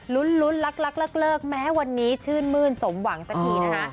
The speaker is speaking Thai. ลุ้นลักเลิกแม้วันนี้ชื่นมื้นสมหวังสักทีนะคะ